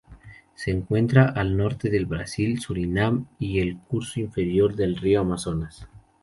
Se encuentra al norte del Brasil, Surinam y el curso inferior del río Amazonas.